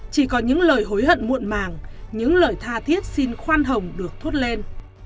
chỉ có những lời hối hận muộn màng những lời tha thiết xin khoan hồng được thốt lên